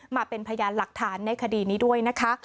มาเป็นพยานหลักฐานในคดีนี้ด้วยนะคะ